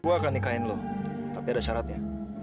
gue akan nikahin loh tapi ada syaratnya